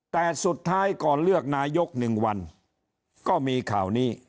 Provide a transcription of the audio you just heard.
แต่สุดท้ายก่อนเลือกนายก๑วันก็มีข่าวนี้